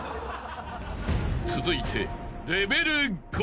［続いて］